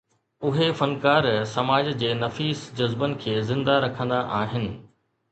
اهي فنڪار سماج جي نفيس جذبن کي زنده رکندا آهن.